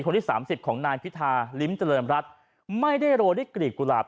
คนที่สามสิบของนายพิธาลิ้มเจริญรัฐไม่ได้โรยด้วยกลีบกุหลาบ